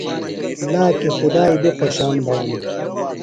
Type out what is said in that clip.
لاکی خدائی بیۡ خوۡشان بھانوۡ۔